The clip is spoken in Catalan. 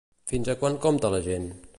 Fins a quant compta la gent?